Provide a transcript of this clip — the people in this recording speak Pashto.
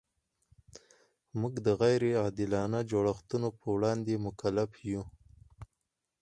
موږ د غیر عادلانه جوړښتونو پر وړاندې مکلف یو.